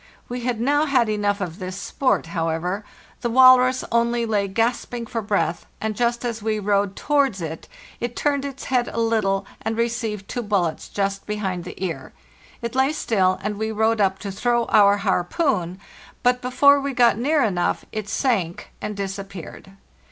We had now had enough of this sport, however; the walrus only lay gasping for breath, and just as we rowed towards it it turned its head a little, and received two bullets just behind the ear. It lay still, and we rowed up to throw our harpoon; but before we got near enough it sank and disappeared.